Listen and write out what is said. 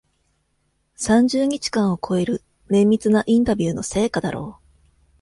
三十日間を超える、綿密なインタビューの成果だろう。